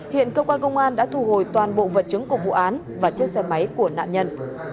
hiện cơ quan công an đã thu hồi toàn bộ vật chứng của vụ án và chiếc xe máy của nạn nhân